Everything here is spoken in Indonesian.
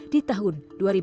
di tahun dua ribu empat belas